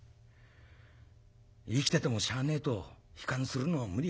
生きててもしゃあねえと悲観するのも無理はねえやな。